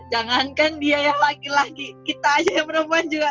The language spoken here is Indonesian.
jangankan dia yang laki laki kita aja yang perempuan juga